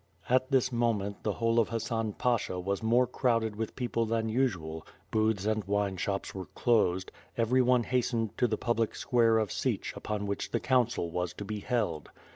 At this moment, the whole of Hassan Pasha was more crowded with people than usual, booths and wine shops were closed, everyone hastened to the public square of Sich upon which the council was to be held.